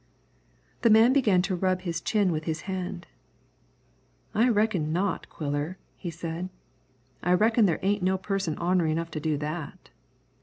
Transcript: The man began to rub his chin with his hand. "I reckon not, Quiller," he said. "I reckon there ain't no person ornery enough to do that."